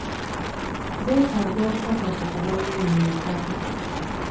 Beetaaga obukakafu ku bwa nannyini ku ttaka.